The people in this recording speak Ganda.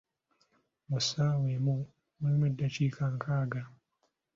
Mu ssaawa emu mulimu eddakiika nkaaga.